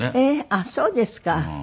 あっそうですか。